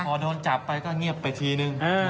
พอโดนจับไปก็เงียบไปทีนึง